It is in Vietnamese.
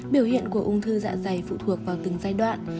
biểu hiện của ung thư dạ dày phụ thuộc vào từng giai đoạn